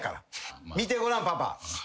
見てごらんパパ。